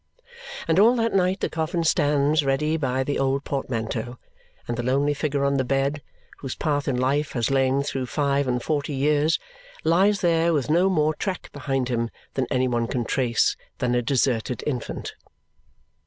And all that night the coffin stands ready by the old portmanteau; and the lonely figure on the bed, whose path in life has lain through five and forty years, lies there with no more track behind him that any one can trace than a deserted infant.